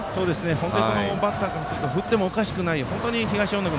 本当にバッターからすると振ってもおかしくない東恩納君